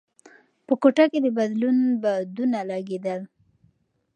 په کوټه کې د بدلون بادونه لګېدل.